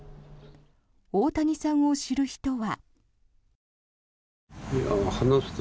大谷さんを知る人は。